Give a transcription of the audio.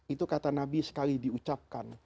itu kata nabi sekali diucapkan